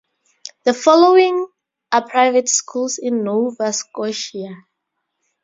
The following are private schools in Nova Scotia.